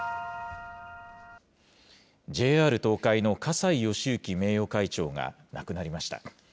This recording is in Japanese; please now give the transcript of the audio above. ＪＲ東海の葛西敬之名誉会長が亡くなりました。